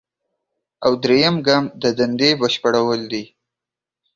او دریم ګام د دندې بشپړول دي.